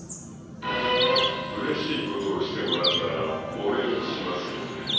［うれしいことをしてもらったらお礼をしますよね］